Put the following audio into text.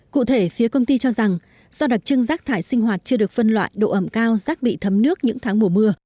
cụ thể phía công ty cho rằng do đặc trưng rác thải sinh hoạt chưa được phân loại độ ẩm cao rác bị thấm nước những tháng mùa mưa